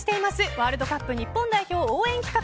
ワールドカップ日本代表応援企画